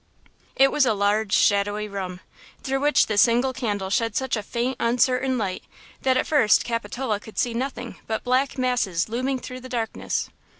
It was a large, shadowy room, through which the single candle shed such a faint, uncertain light that at first Capitola could see nothing but black masses looming through the darkness.